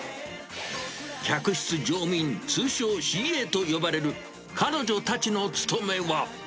客室乗務員、通称、ＣＡと呼ばれる、彼女たちの務めは。